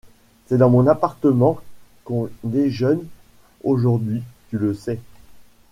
C’est dans mon appartement qu’on déjeune aujourd’hui, tu le sais ?